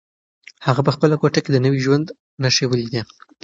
هغه په خپله کوټه کې د نوي ژوند نښې ولیدلې.